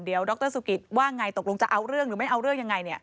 เดี๋ยวดรสุกิตว่าไงตกลงจะเอาเรื่องหรือไม่เอาเรื่องยังไง